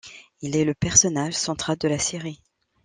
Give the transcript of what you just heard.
Il est le personnage central de la série.